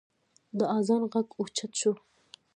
د اذان غږ اوچت شو.